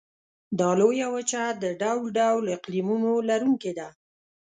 دا لویه وچه د ډول ډول اقلیمونو لرونکې ده.